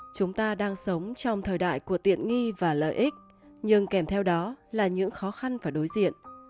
chúng ta đang sống trong thời đại của tiện nghi và lợi ích nhưng kèm theo đó là những khó khăn phải đối diện